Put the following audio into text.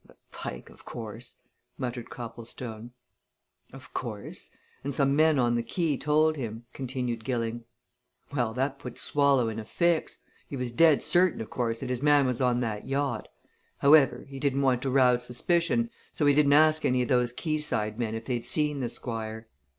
"The Pike, of course," muttered Copplestone. "Of course and some men on the quay told him," continued Gilling. "Well, that put Swallow in a fix. He was dead certain, of course, that his man was on that yacht. However, he didn't want to rouse suspicion, so he didn't ask any of those quayside men if they'd seen the Squire.